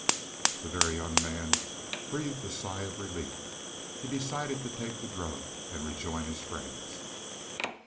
The Very Young Man breathed a sigh of relief. He decided to take the drug and rejoin his friends.